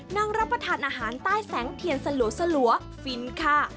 นั่งรับประทานอาหารใต้แสงเทียนสลัวฟินค่ะ